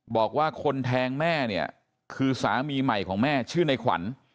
บอกว่าคนแทงแม่เนี่ยคือสามีใหม่ของแม่ชื่อในขวัญ